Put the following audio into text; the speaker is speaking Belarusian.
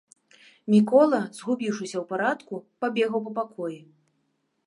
Мікола, згубіўшыся ў парадку, пабегаў па пакоі.